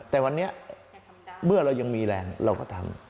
แต่วันนี้เมื่อเรายังมีแรงเราก็ทำ